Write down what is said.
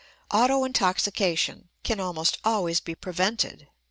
Autointoxication can almost always be prevented.